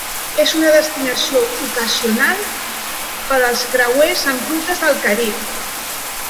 És una destinació ocasional per als creuers en rutes del Carib.